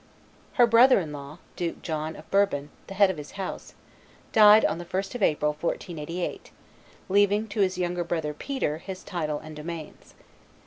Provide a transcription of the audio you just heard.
Her brother in law, Duke John of Bourbon, the head of his house, died on the 1st of April, 1488, leaving to his younger brother, Peter, his title and domains.